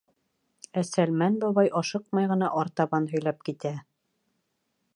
Ә Сәлмән бабай ашыҡмай ғына артабан һөйләп китә: